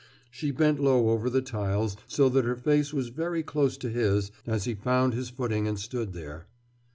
She bent low over the tiles, so that her face was very close to his as he found his footing and stood there.